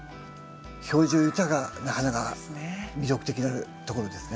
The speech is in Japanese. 表情豊かな花が魅力的なところですね。